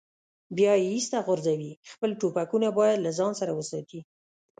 بیا یې ایسته غورځوي، خپل ټوپکونه باید له ځان سره وساتي.